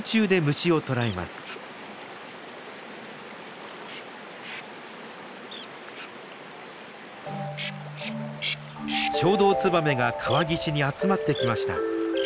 ショウドウツバメが川岸に集まってきました。